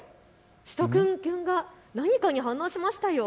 しゅと犬くんが何かに反応しましたよ。